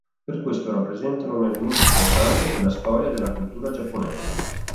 Per questo rappresentano un elemento importante della storia e della cultura giapponese.